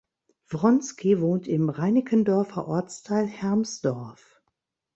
Wronski wohnt im Reinickendorfer Ortsteil Hermsdorf.